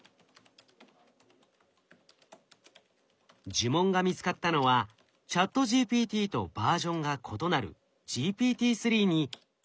呪文が見つかったのはＣｈａｔＧＰＴとバージョンが異なるＧＰＴ−３に数学の文章問題を出した時でした。